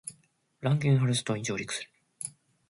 ランゲルハンス島に上陸する